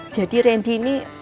jadi randy ini